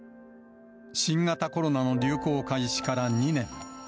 新型コロナの流行開始から２年。